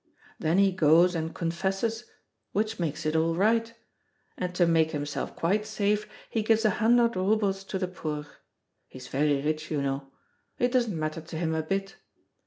Then he goes and confesses, which makes it all right, and to make himself quite safe he gives a hundred roubles to the poor. He's very rich, you know; it doesn't matter to him a bit.